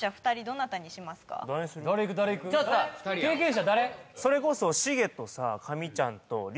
経験者誰？